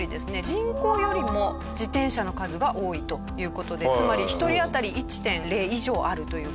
人口よりも自転車の数が多いという事でつまり１人あたり１．０以上あるという事なんですね。